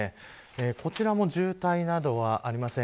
こちらも渋滞などはありません。